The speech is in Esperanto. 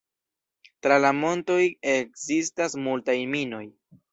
Tra la montoj ekzistas multaj minoj.